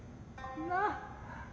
なあ。